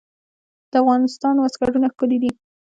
د افغانستان واسکټونه ښکلي دي